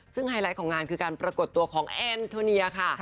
ซึ่งไฮไลท์ของงานคือการปรากฏตัวของแอนโทเนียค่ะ